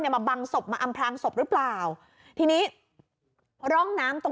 มาบังศพมาอำพลางศพหรือเปล่าทีนี้ร่องน้ำตรง